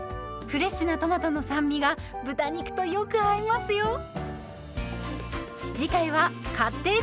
フレッシュなトマトの酸味が豚肉とよく合いますよ。